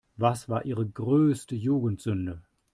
Was war Ihre größte Jugendsünde?